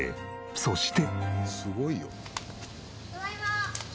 そして。